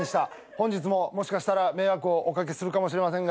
本日ももしかしたら迷惑をお掛けするかもしれませんが。